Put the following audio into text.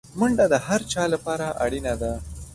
منډه د هر چا لپاره اړینه ده